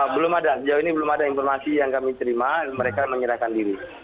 belum ada sejauh ini belum ada informasi yang kami terima mereka menyerahkan diri